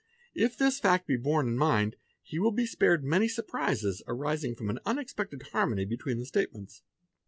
If this fact be borne in mind, he will be spared many surprises arising from an unexpected harmony — between the statements.